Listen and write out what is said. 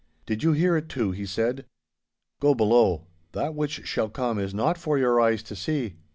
'Did you hear it too?' he said. 'Go below. That which shall come is not for your eyes to see!